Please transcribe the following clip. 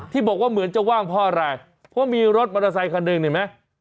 ที่บอกว่าเหมือนจะว่างเพราะอะไรเพราะมีรถมอเตอร์ไซคันหนึ่งเห็นไหม